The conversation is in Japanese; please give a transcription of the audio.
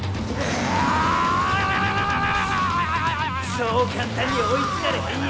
そう簡単に追いつかれへんよ！